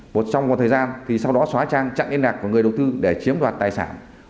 một trong một thời gian thì sau đó xóa trang chặn liên lạc của người đầu tư để chiếm đoạt tài sản